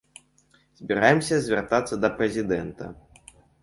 Збіраемся звяртацца да прэзідэнта.